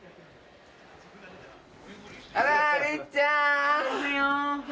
あらりっちゃん！